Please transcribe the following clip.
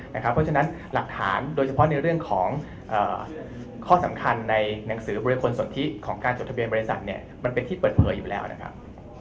เพราะฉะนั้นหลักฐานโดยเฉพาะในเรื่องของข้อสำคัญในหนังสือบริคลสนทิของการจดทะเบียนบริษัทมันเป็นที่เปิดเผยอยู่แล้วนะครับ